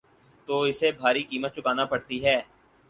تو اسے بھاری قیمت چکانا پڑتی ہے۔